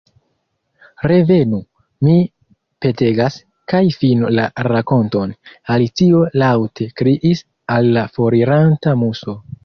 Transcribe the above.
“Revenu, mi petegas, kaj finu la rakonton,” Alicio laŭte kriis al la foriranta Muso.